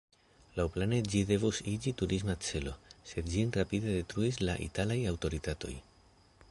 Laŭplane ĝi devus iĝi turisma celo, sed ĝin rapide detruis la italaj aŭtoritatoj.